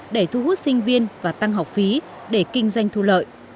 để thu hút sinh viên và tăng học phí để kinh doanh thu lợi